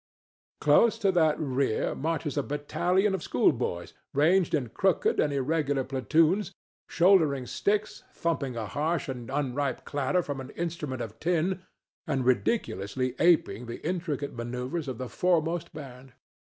Close to their rear marches a battalion of schoolboys ranged in crooked and irregular platoons, shouldering sticks, thumping a harsh and unripe clatter from an instrument of tin and ridiculously aping the intricate manoeuvres of the foremost band.